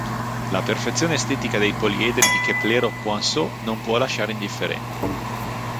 La perfezione estetica dei poliedri di Keplero-Poinsot non può lasciare indifferenti.